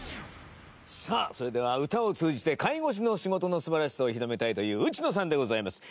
さあそれでは歌を通じて介護士の仕事の素晴らしさを広めたいという内野さんでございます。